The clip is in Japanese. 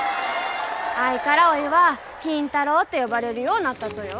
あいからおいは金太郎って呼ばれるようなったとよ